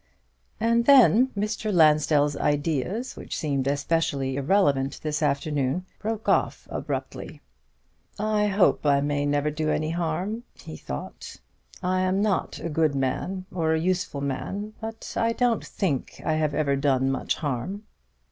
And then Mr. Lansdell's ideas, which seemed especially irrelevant this afternoon, broke off abruptly. "I hope I may never do any harm," he thought. "I am not a good man or a useful man; but I don't think I have ever done much harm."